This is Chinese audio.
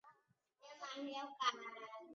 我居然会期待